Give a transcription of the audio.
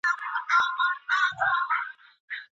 ژورنالیزم پوهنځۍ بې اسنادو نه ثبت کیږي.